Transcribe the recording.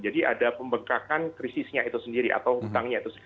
jadi ada pembengkakan krisisnya itu sendiri atau hutangnya itu